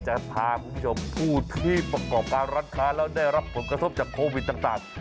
จะพาคุณผู้ชมผู้ที่ประกอบการร้านค้าแล้วได้รับผลกระทบจากโควิดต่าง